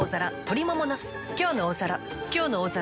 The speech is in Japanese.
「きょうの大皿」